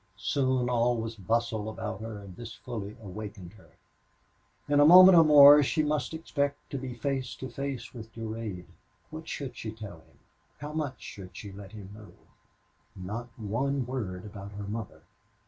Soon all was bustle about her, and this fully awakened her. In a moment or more she must expect to be face to face with Durade. What should she tell him? How much should she let him know? Not one word about her mother!